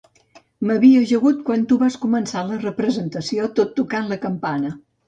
M'havia ajagut quan tu vas començar la representació, tot tocant la campana.